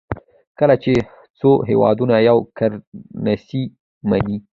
کله چې څو هېوادونه یوه کرنسي مني.